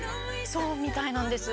「そうみたいなんです」